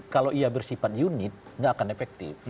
kalau ia bersifat unit nggak akan efektif